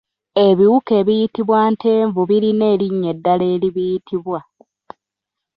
Ebiwuka ebiyitibwa “Ntenvu” birina erinnya eddala eribiyitibwa.